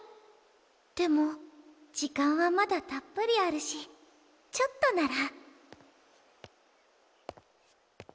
でも時間はまだたっぷりあるしちょっとなら。